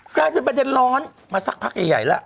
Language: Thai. กลายเป็นประเด็นร้อนมาสักพักใหญ่แล้ว